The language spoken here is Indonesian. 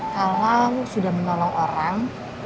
kalau sudah menolong orang